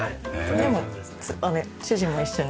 でも主人も一緒に。